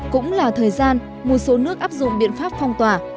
cũng là thời gian một số nước áp dụng biện pháp phong tỏa